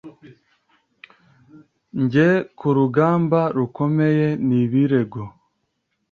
Njye kurugamba rukomeye nibirego